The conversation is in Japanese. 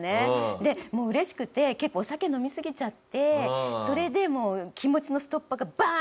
でもう嬉しくて結構お酒飲みすぎちゃってそれでもう気持ちのストッパーがバーン！